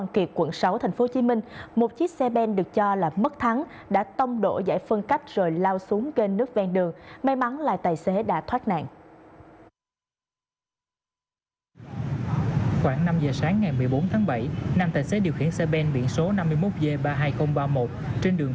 khoảng sáu giờ sáng ngày một mươi bốn tháng bảy nam tài xế điều khiển xe bên biển số năm mươi một g ba mươi hai nghìn ba mươi một trên đường